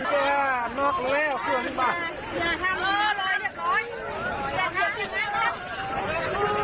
เอาเจียงหลังรถนะ